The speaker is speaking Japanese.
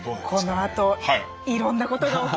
このあといろんなことが起きますよ。